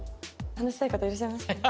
話したい方いらっしゃいますか？